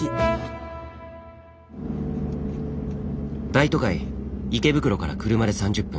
大都会池袋から車で３０分。